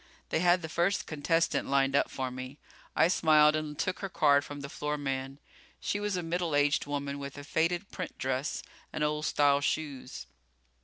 They had the first contestant lined up for me. I smiled and took her card from the floor man. She was a middle aged woman with a faded print dress and old style shoes.